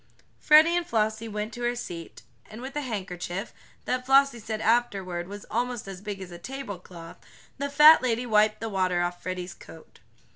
Freddie and Flossie went to her seat, and with a handkerchief, that Flossie said afterward was almost as big as a table cloth, the fat lady wiped the water off Freddie's coat.